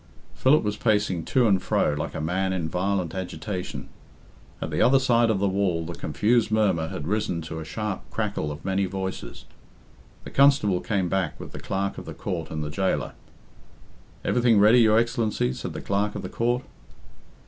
Philip was pacing to and fro like a man in violent agitation. At the other side of the wall the confused murmur had risen to a sharp crackle of many voices. The constable came back with the Clerk of the Court and the jailor. "Everything ready, your Excellency," said the Clerk of the Court.